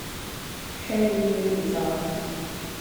Show me movie times